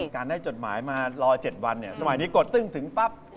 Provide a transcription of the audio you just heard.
การได้จดหมายมารอ๗วันเนี่ย